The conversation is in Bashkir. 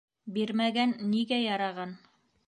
Бирмәгән нигә яраған?